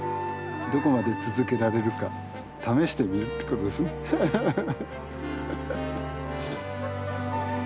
どこまで続けられるか試してみるってことですね。